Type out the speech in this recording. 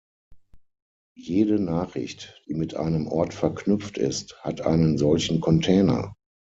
Jede Nachricht, die mit einem Ort verknüpft ist, hat einen solchen Container.